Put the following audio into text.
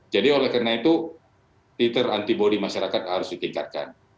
jadi oleh karena itu titer antibody masyarakat harus ditingkatkan